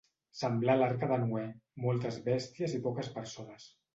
Semblar l'arca de Noè: moltes bèsties i poques persones.